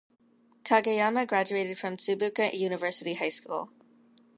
Kageyama graduated from Tsukuba University High School.